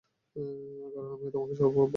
কারণ আমি তোমাকে সব বলব।